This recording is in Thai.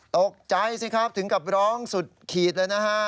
ตกใจสิครับถึงกับร้องสุดขีดเลยนะฮะ